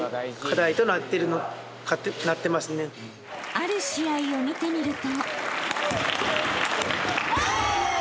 ［ある試合を見てみると］